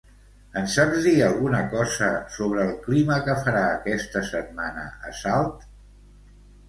Em saps dir alguna cosa sobre el clima que farà aquesta setmana a Salt?